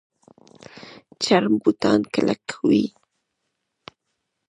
چرم بوټان کلک وي